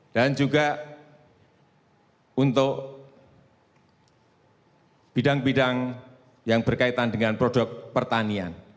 dan juga untuk bidang bidang yang berkaitan dengan produk pertanian